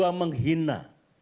kita harus berhina